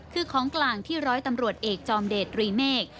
คือของกลางที่ร้อยตำรวจเอกจอมเดชรีเมฆ